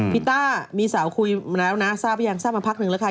ต้ามีสาวคุยมาแล้วนะทราบหรือยังทราบมาพักหนึ่งแล้วค่ะ